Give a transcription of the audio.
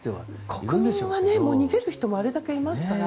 国民も、逃げる人もあれだけいますから。